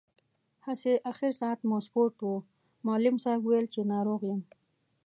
هسې، اخر ساعت مو سپورټ و، معلم صاحب ویل چې ناروغ یم.